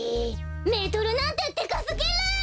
メートルなんてでかすぎる！